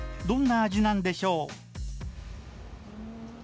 どんな味なんでしょう？